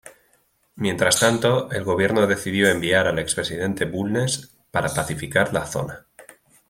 Mientras tanto, el gobierno decidió enviar al expresidente Bulnes para pacificar la zona.